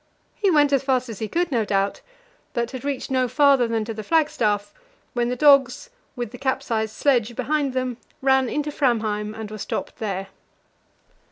He went as fast as he could, no doubt, but had reached no farther than to the flagstaff, when the dogs, with the capsized sledge behind them, ran into Framheim and were stopped there.